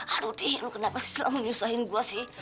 aduh dik lo kenapa sih selalu menyusahkan gue sih